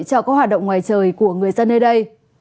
cho các hoạt động ngoài trời của người dân nơi đây